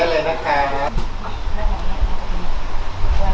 แสดงความเป็นในวันสุดท้าย